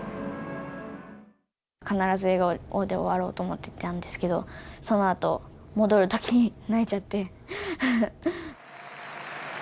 必ず笑顔で終わろうと思ってたんですけど、そのあと、戻るときに泣いちゃって。